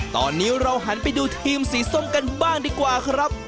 ตอนนี้เราหันไปดูทีมสีส้มกันบ้างดีกว่าครับ